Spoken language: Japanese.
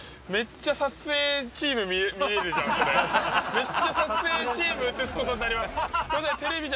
めっちゃ撮影チーム映す事になります。